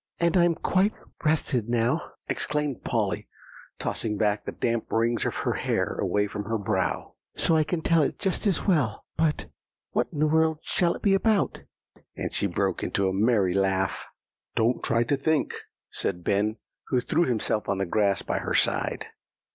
"And I'm quite rested now," exclaimed Polly, tossing back the damp rings of hair away from her brow, "so I can tell it just as well. But what in the world shall it be about?" and she broke into a merry laugh. "Don't try to think," said Ben, who threw himself on the grass by her side.